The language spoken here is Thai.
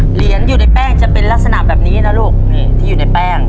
เหรียญอยู่ในแป้งจะเป็นลักษณะแบบนี้นะลูกนี่ที่อยู่ในแป้ง